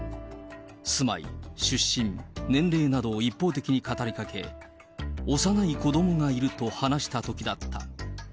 住まい、出身、年齢などを一方的に語りかけ、幼い子どもがいると話したときだった。